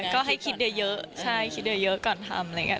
ก็ให้คิดเดียวเยอะใช่คิดเดียวเยอะก่อนทำอะไรอย่างเงี้ย